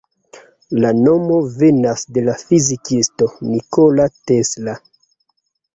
La nomo venas de la fizikisto Nikola Tesla.